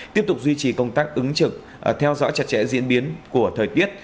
tiếp tục duy trì công tác ứng trực theo dõi chặt chẽ diễn biến của thời tiết